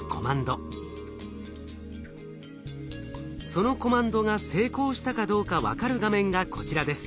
そのコマンドが成功したかどうか分かる画面がこちらです。